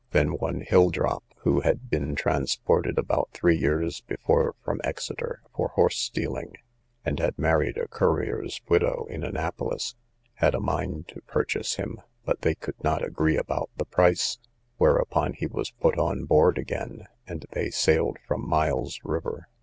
Then one Hilldrop, who had been transported about three years before from Exeter, for horse stealing, and had married a currier's widow in Annapolis, had a mind to purchase him, but they could not agree about the price, whereupon he was put on board again, and they sailed from Miles river.